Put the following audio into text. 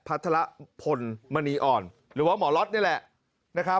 พัทรพลมณีอ่อนหรือว่าหมอล็อตนี่แหละนะครับ